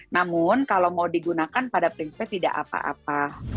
namun kalau mau digunakan pada prinsipnya tidak apa apa